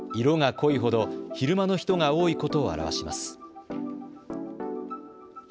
色が濃いほど昼間の人が多いことを表します。